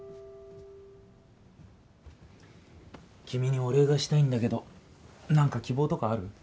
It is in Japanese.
君にお礼がしたいんだけど何か希望とかある？